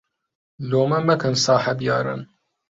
لۆمە مەکەن ساحەب یارن